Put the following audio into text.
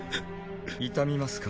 痛みますか？